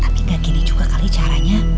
tapi gak gini juga kali caranya